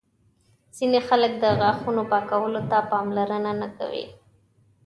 ځینې خلک د غاښونو پاکولو ته پاملرنه نه کوي.